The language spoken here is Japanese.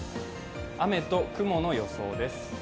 雨と雲の予想です。